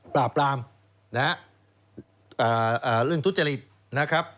ปราบปรามนะฮะเรื่องทุจริตนะครับ